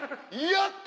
やった！